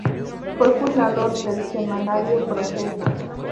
Fue fundador del "Semanario Proceso".